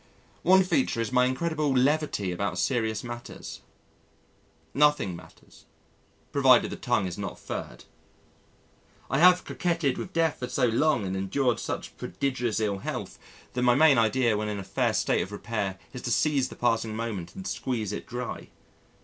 One feature is my incredible levity about serious matters. Nothing matters, provided the tongue is not furred. I have coquetted with death for so long now, and endured such prodigious ill health that my main idea when in a fair state of repair is to seize the passing moment and squeeze it dry.